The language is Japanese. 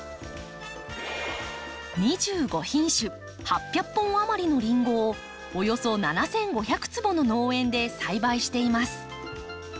２５品種８００本余りのリンゴをおよそ７，５００坪の農園で栽培しています。